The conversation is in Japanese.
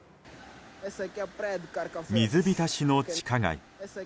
水浸しの地下街。